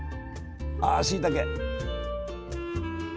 あしいたけ！